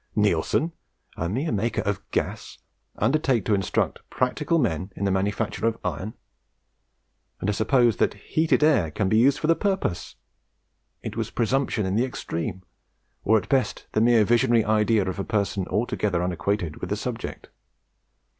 Neilson, a mere maker of gas, undertake to instruct practical men in the manufacture of iron! And to suppose that heated air can be used for the purpose! It was presumption in the extreme, or at best the mere visionary idea of a person altogether unacquainted with the subject!